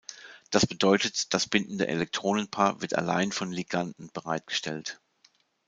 Das bedeutet, das bindende Elektronenpaar wird allein vom Liganden bereitgestellt.